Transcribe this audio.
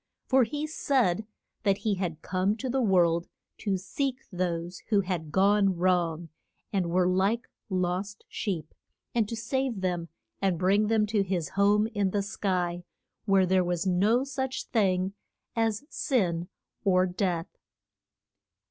For he said that he had come to the world to seek those who had gone wrong, and were like lost sheep, and to save them and bring them to his home in the sky, where there was no such thing as sin or death.